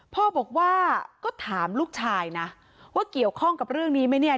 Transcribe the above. พ่อบอกว่าก็ถามลูกชายนะว่าเกี่ยวข้องกับเรื่องนี้ไหมเนี่ย